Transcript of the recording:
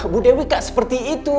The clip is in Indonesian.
bu dewi kak seperti itu